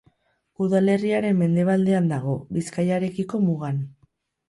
Udalerriaren mendebaldean dago, Bizkaiarekiko mugan.